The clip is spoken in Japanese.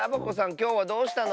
きょうはどうしたの？